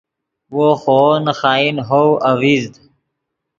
وو خوو نے خائن ہوو اڤزید